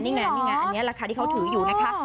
นี่ไงนี่เนี่ยราคาที่เขาถืออยู่นะคะ